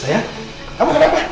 sayang kamu kenapa